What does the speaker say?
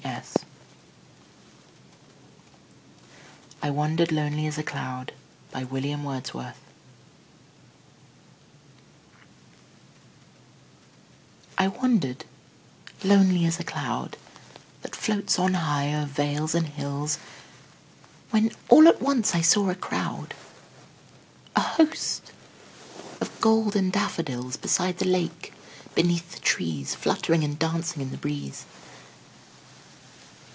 William Wordsworth I Wandered Lonely As a Cloud I WANDERED lonely as a cloud That floats on high o'er vales and hills, When all at once I saw a crowd, A host, of golden daffodils; Beside the lake, beneath the trees, Fluttering and dancing in the breeze.